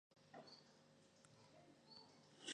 ზონდის კუნძულები იყოფა დიდი ზონდისა და მცირე ზონდის კუნძულებად.